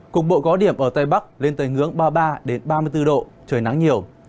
cục bộ có điểm ở tây bắc lên tới ngưỡng ba mươi ba ba mươi bốn độ trời nắng nhiều